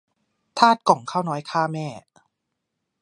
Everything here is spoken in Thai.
ธาตุก่องข้าวน้อยฆ่าแม่